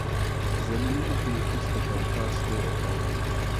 زمیني مقناطیس د کمپاس لوری ټاکي.